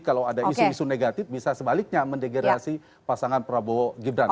kalau ada isu isu negatif bisa sebaliknya mendeggelasi pasangan prabowo gibran